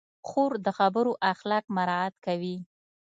خور د خبرو اخلاق مراعت کوي.